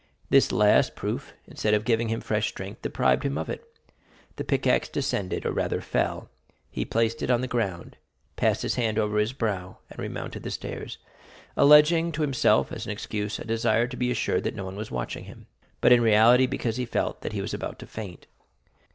This last proof, instead of giving him fresh strength, deprived him of it; the pickaxe descended, or rather fell; he placed it on the ground, passed his hand over his brow, and remounted the stairs, alleging to himself, as an excuse, a desire to be assured that no one was watching him, but in reality because he felt that he was about to faint.